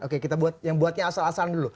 oke kita yang buatnya asal asalan dulu